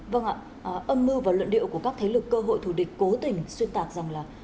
vâng ạ âm mưu và luận điệu của các thế lực cơ hội thủ địch cố tình xuyên tạc rằng là